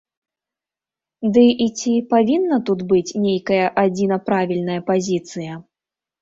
Ды і ці павінна тут быць нейкая адзіна правільная пазіцыя?